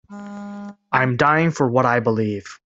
I'm dying for what I believe.